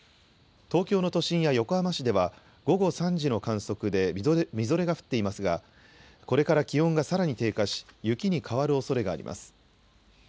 東京の都心や横浜市では、午後３時の観測でみぞれが降っていますが、これから気温がさらに低下し、雪に変わるおそれがあります。